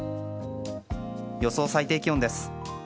予想最低気温です。